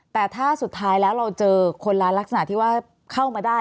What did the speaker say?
แต่ถ้าสุดท้ายแล้วเราเจอคนร้ายลักษณะที่ว่าเข้ามาได้